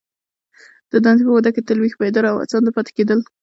د دندي په موده کي تل ویښ ، بیداره او هڅانده پاته کیدل.